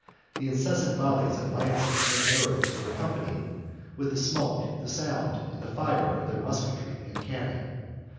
The incessant volleys of lances and arrows were accompanied with the smoke, the sound, and the fire, of their musketry and cannon.